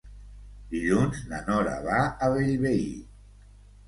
Dilluns na Nora va a Bellvei.